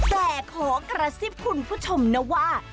แต่ขอกระซิบคุณผู้ชมนะว่า